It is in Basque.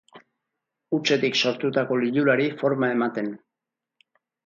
Hutsetik sortutako lilurari forma ematen.